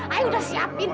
ayah udah siapin